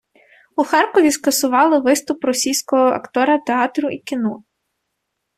У Харкові скасували виступ російського актора театру і кіно.